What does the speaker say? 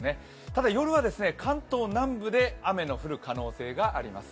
ただ、夜は関東南部で雨の降る可能性があります。